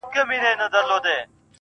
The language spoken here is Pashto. یوار مسجد ته ګورم، بیا و درمسال ته ګورم.